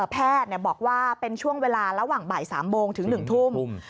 แพทย์บอกว่าเป็นช่วงเวลาระหว่างบ่าย๓โมงถึง๑ทุ่ม